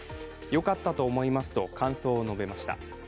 良かったと思いますと感想を述べました。